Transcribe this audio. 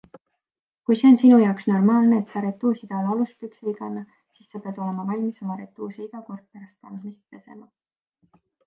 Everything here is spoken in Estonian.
Kui see on sinu jaoks normaalne, et sa retuuside all aluspükse ei kanna, siis sa pead olema valmis oma retuuse iga kord pärast kandmist pesema.